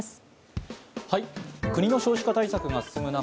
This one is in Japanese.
国の少子化対策が進む中